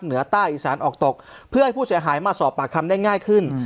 เหนือใต้อีสานออกตกเพื่อให้ผู้เสียหายมาสอบปากคำได้ง่ายขึ้น